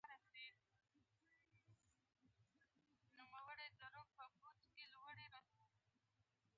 پیلوټ د الوتکې توازن ساتي.